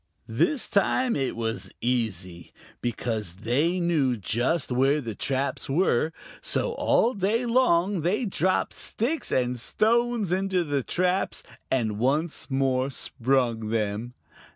This time it was easy, because they knew just where the traps were, so all day long they dropped sticks and stones into the traps and once more sprung them.